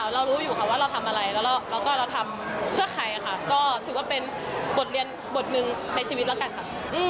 แล้วก็เราทำเพื่อใครค่ะก็ถือว่าเป็นบทเรียนบทหนึ่งในชีวิตแล้วกันค่ะ